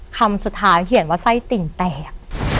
คำสุดท้ายเขียนว่าไส้ติ่งแตก